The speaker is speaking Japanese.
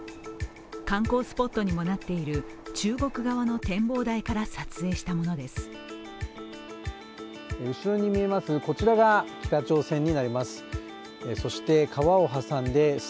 観光スポットにもなっている中国側の展望台から撮影したものです。